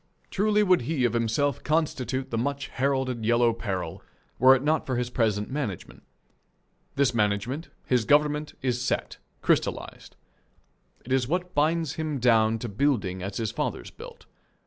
Truly would he of himself constitute the much heralded Yellow Peril were it not for his present management. This management, his government, is set, crystallized. It is what binds him down to building as his fathers built.